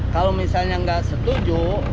kalau misalnya nggak setuju